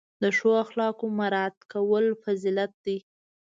د ښو اخلاقو مراعت کول فضیلت دی.